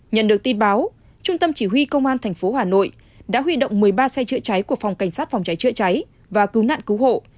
nhận được tin báo trung tâm chỉ huy công an tp hà nội đã huy động một mươi ba xe chữa cháy của phòng cảnh sát phòng cháy chữa cháy và cứu nạn cứu hộ